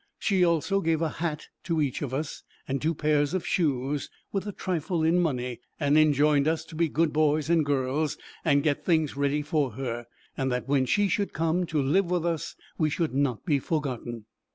She also gave a hat to each of us, and two pairs of shoes, with a trifle in money, and enjoined us to be good boys and girls, and get things ready for her, and that when she should come to live with us we should not be forgotten.